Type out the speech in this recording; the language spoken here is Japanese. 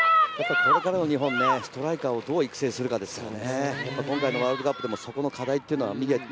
これからの日本、ストライカーをどう育成するかですよね。